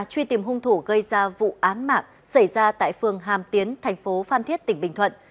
truy tìm hung thủ gây ra vụ án mạng xảy ra tại phường hàm tiến thành phố phan thiết tỉnh bình thuận